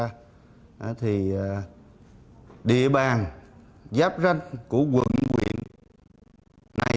vì vậy địa bàn giáp ranh của quận huyện này